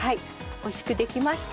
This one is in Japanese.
美味しくできました。